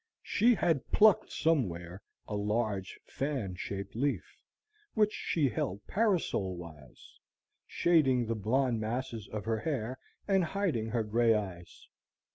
She had plucked somewhere a large fan shaped leaf, which she held parasol wise, shading the blond masses of her hair, and hiding her gray eyes.